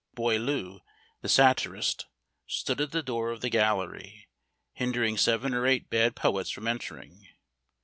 Boileau, the satirist, stood at the door of the gallery, hindering seven or eight bad poets from entering.